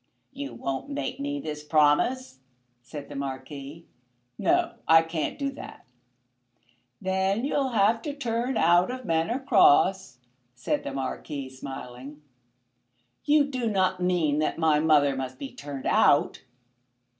"You won't make me this promise?" said the Marquis. "No; I can't do that." "Then you'll have to turn out of Manor Cross," said the Marquis, smiling. "You do not mean that my mother must be turned out?"